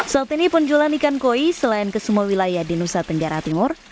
saat ini penjualan ikan koi selain ke semua wilayah di nusa tenggara timur